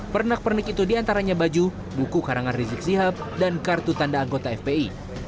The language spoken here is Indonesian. pernak pernik itu diantaranya baju buku karangan rizik sihab dan kartu tanda anggota fpi